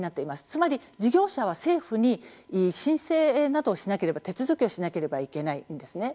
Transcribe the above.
つまり、事業者は政府に申請などをしなければ手続きをしなければいけないんですね。